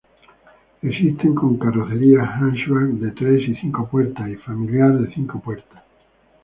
Existe con carrocerías hatchback de tres y cinco puertas, y familiar de cinco puertas.